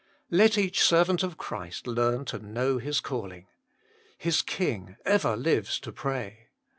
Let each servant of Christ learn to know his calling. His King ever lives to pray.